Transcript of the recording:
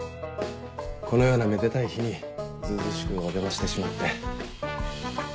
このようなめでたい日にずうずうしくお邪魔してしまって。